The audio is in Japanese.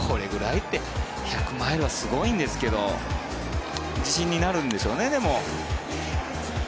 １００マイルはすごいんですけど自信になるんでしょうね。